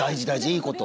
いいこと。